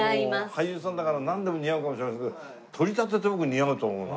俳優さんだからなんでも似合うかもしれないですけど取り立てて僕似合うと思うな。